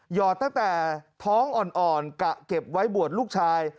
หอดตั้งแต่ท้องอ่อนกะเก็บไว้บวชลูกชาย